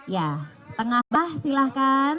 ya tengah bawah silahkan